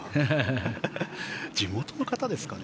地元の方ですかね。